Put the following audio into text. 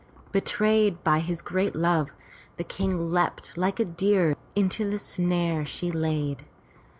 Betrayed by his great love, the King leapt like a deer into the snare she laid.